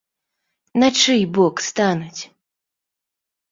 На чый бок стануць?